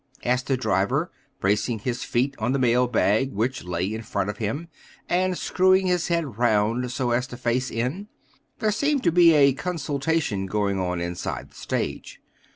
asked the driver, bracing his feet on the mail bag which lay in front of him, and screwing his head round so as to face in. There seemed to be a consultation going on inside the stage.